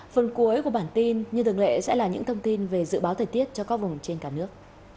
phần cuối của bản tin như thường lệ sẽ là những thông tin về dự báo thời tiết cho các vùng trên cả nước